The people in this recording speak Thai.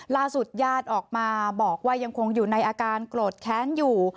ล่าสุดญาติออกมาบอกว่ายังคงอยู่ในอาการโกรธแค้นอยู่